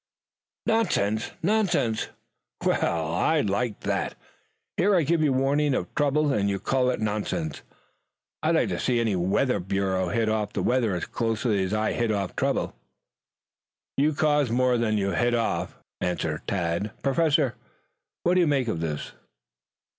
"Nonsense? Nonsense? Well, I like that. Here I give you warning of trouble and you call it nonsense. I'd like to see any weather bureau hit off the weather as closely as I hit off trouble." "You cause more than you hit off," answered Tad. "Professor, what do you make of this?"